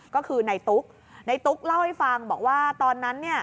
ก็คือในตุ๊กในตุ๊กเล่าให้ฟังบอกว่าตอนนั้นเนี่ย